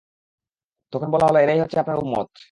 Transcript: তখন বলা হল, এরাই হচ্ছে আপনার উম্মত।